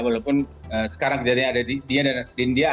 walaupun sekarang kejadiannya ada di india